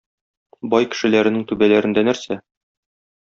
Бай кешеләренең түбәләрендә нәрсә?